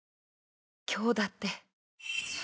今日だって